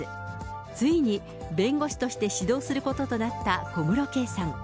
ついに弁護士として始動することとなった小室圭さん。